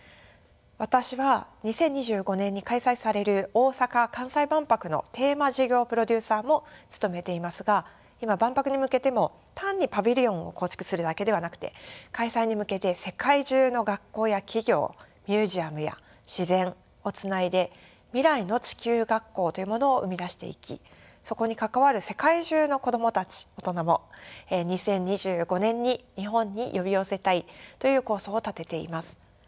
私は２０２５年に開催される大阪・関西万博のテーマ事業プロデューサーも務めていますが今万博に向けても単にパビリオンを構築するだけではなくて開催に向けて世界中の学校や企業ミュージアムや自然をつないで未来の地球学校というものを生み出していきそこに関わる世界中の子供たち大人も２０２５年に日本に呼び寄せたいという構想を立てています。